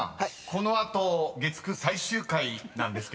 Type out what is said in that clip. この後月９最終回なんですけれども］